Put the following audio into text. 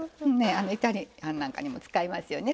イタリアンなんかにも使いますよね。